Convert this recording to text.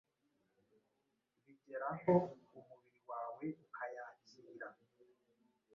bigera aho umubiri wawe ukayakira